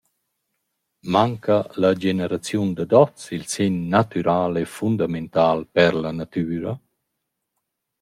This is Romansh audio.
Manca a la generaziun dad hoz il sen natüral e fundamental per la natüra?